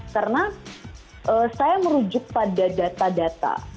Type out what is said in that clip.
karena saya merujuk pada data data